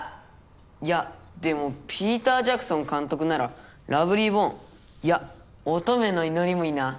いやでもピーター・ジャクソン監督なら『ラブリーボーン』いや『乙女の祈り』もいいな。